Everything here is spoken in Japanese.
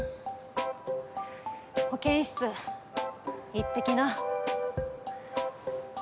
保健室行ってきな。